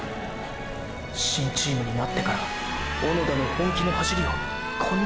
新チームになってから小野田の本気の走りをあああああああっ！！